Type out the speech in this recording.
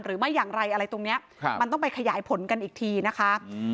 หรือไม่อย่างไรอะไรตรงเนี้ยครับมันต้องไปขยายผลกันอีกทีนะคะ